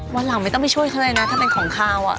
วันหลังไม่ต้องไปช่วยเขาเลยนะถ้าเป็นของขาวอ่ะ